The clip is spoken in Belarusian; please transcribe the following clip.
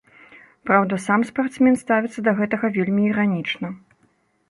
Праўда, сам спартсмен ставіцца да гэтага вельмі іранічна.